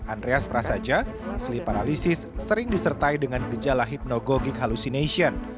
andreas prasaja sleep paralysis sering disertai dengan gejala hypnagogic hallucination